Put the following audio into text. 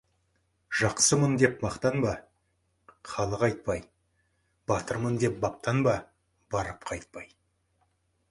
Жақсымын деп мақтанба, халық айтпай, батырмын деп баптанба, барып қайтпай.